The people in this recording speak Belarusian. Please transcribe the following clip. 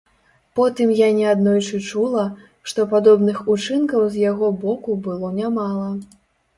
Потым я неаднойчы чула, што падобных учынкаў з яго боку было нямала.